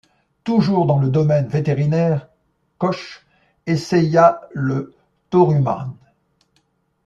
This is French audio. Toujours dans le domaine vétérinaire, Koch essaya le tauruman.